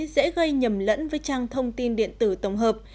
dễ gây nhầm lẫn với trang thông tin điện tử tổng hợp